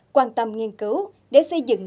quan tâm nghiên cứu để xây dựng